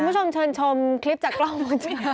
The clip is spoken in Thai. ผู้ชมเชิญชมคลิปจากกล้องผู้ชม